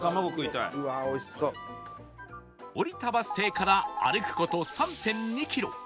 降りたバス停から歩く事 ３．２ キロ